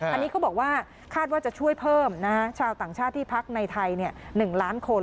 อันนี้เขาบอกว่าคาดว่าจะช่วยเพิ่มชาวต่างชาติที่พักในไทย๑ล้านคน